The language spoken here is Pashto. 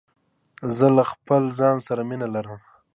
زه له خپل ځان سره مینه لرم.